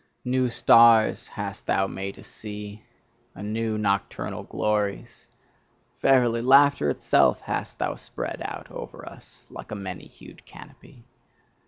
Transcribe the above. New stars hast thou made us see, and new nocturnal glories: verily, laughter itself hast thou spread out over us like a many hued canopy.